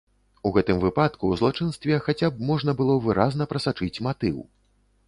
У гэтым выпадку ў злачынстве хаця б можна было выразна прасачыць матыў.